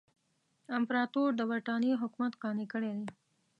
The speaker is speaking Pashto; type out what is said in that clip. امپراطور د برټانیې حکومت قانع کړی دی.